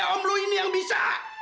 omlu ini yang bisa